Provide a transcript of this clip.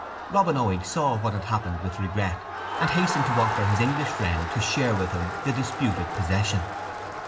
Robin Oig saw what had happened with regret, and hastened to offer to his English friend to share with him the disputed possession.